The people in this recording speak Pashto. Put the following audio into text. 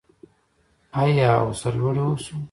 آیا او سرلوړي اوسو؟